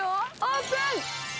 オープン！